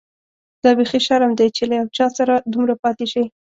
دا بيخي شرم دی چي له یو چا سره دومره پاتې شې.